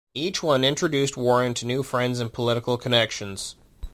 Each one introduced Warren to new friends and political connections.